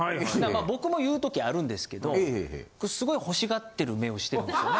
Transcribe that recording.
僕も言う時あるんですけどすごい欲しがってる目をしてるんですよね